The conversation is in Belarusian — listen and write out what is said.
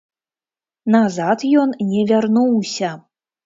Назад ён не вярнуўся.